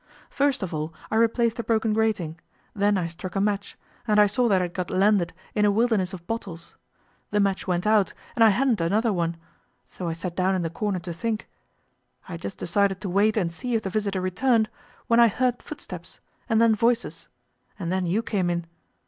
First of all I replaced the broken grating, then I struck a match, and I saw that I had got landed in a wilderness of bottles. The match went out, and I hadn't another one. So I sat down in the corner to think. I had just decided to wait and see if the visitor returned, when I heard footsteps, and then voices; and then you came in.